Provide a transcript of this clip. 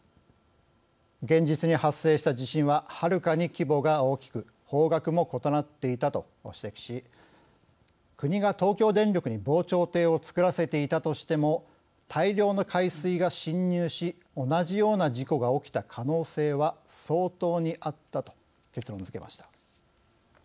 現実に発生した地震ははるかに規模が大きく方角も異なっていたと指摘し国が東京電力に防潮堤を作らせていたとしても大量の海水が浸入し同じような事故が起きた可能性は相当にあったと結論づけました。